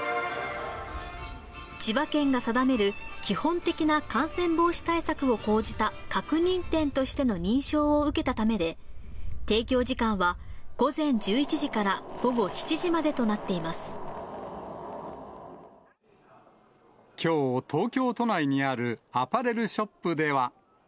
千葉県が定める基本的な感染防止対策を講じた確認店としての認証を受けたためで、提供時間は午前１１時から午後７時までとなってきょう、東京都内にあるアパレルショップでは。